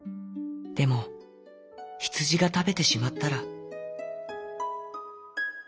でもヒツジがたべてしまったら」。